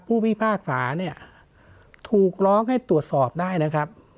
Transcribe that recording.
พิพากษาเนี่ยถูกร้องให้ตรวจสอบได้นะครับ